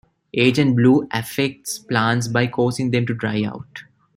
Agent Blue affects plants by causing them to dry out.